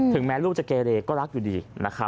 แม้ลูกจะเกเรก็รักอยู่ดี